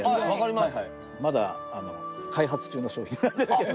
まだ開発中の商品なんですけど。